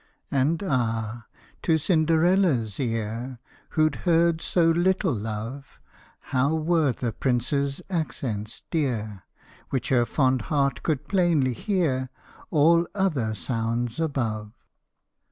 And, ah! to Cinderella's ear, Who 'd heard so little love, How were the Prince's accents dear, Which her fond heart could plainly hear All other sounds above